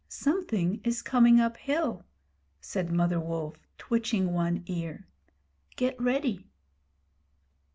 'Something is coming up hill,' said Mother Wolf, twitching one ear. 'Get ready.'